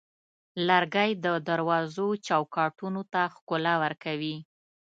لرګی د دروازو چوکاټونو ته ښکلا ورکوي.